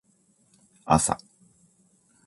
朝